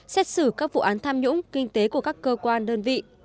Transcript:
xét xử các vụ án tham nhũng kinh tế của các cơ quan đơn vị